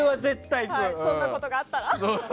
そんなことがあったら。